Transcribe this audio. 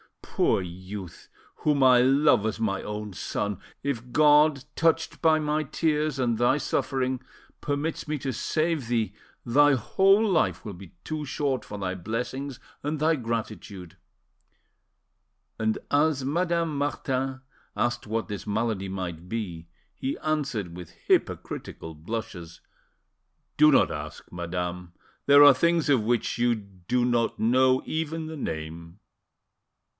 Poor youth! whom I love as my own son, if God, touched by my tears and thy suffering, permits me to save thee, thy whole life will be too short for thy blessings and thy gratitude!" And as Madame Martin asked what this malady might be, he answered with hypocritical blushes— "Do not ask, madame; there are things of which you do not know even the name."